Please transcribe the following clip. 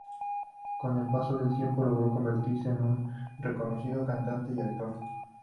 Con el paso del tiempo, logró convertirse en un reconocido cantante y actor.